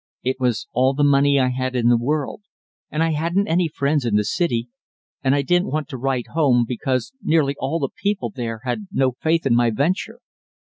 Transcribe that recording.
It was all the money I had in the world, and I hadn't any friends in the city, and I didn't want to write home, because nearly all the people there had no faith in my venture.